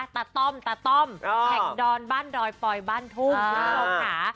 ตะต้มตะต้มแห่งดอนบ้านดอยปอยบ้านทุ่มทุ่มหา